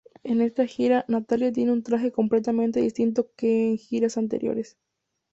En esta gira, Natalia tenía un traje completamente distinto que en giras anteriores.